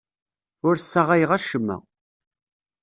Ur ssaɣayeɣ acemma.